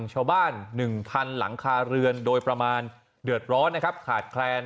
ชาวบ้าน๑๐๐๐หลังคาเรือนโดยประมาณเดือดร้อนนะครับขาดแคลน